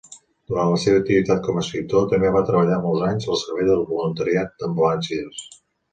Durant la seva activitat com a escriptor, també va treballar molts anys al servei de voluntariat d'ambulàncies.